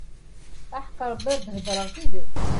Aḥeqq Rebbi ar d-heddṛeɣ tidet.